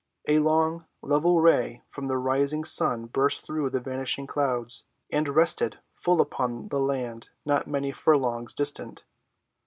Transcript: A long, level ray from the rising sun burst through the vanishing clouds and rested full upon the land not many furlongs distant.